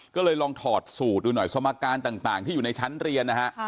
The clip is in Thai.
ก็เลยลองถอดสูตรดูหน่อยสมการต่างที่อยู่ในชั้นเรียนนะฮะ